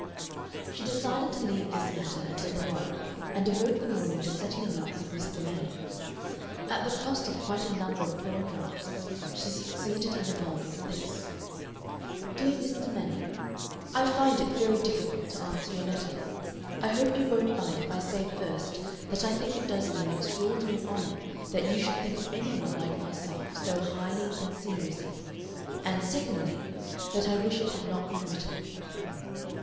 She decided to leave this matter until the morrow and devote the morning to settling up with Mr. Manning. At the cost of quite a number of torn drafts she succeeded in evolving this: "DEAR MR. MANNING, I find it very difficult to answer your letter. I hope you won't mind if I say first that I think it does me an extraordinary honor that you should think of any one like myself so highly and seriously, and, secondly, that I wish it had not been written."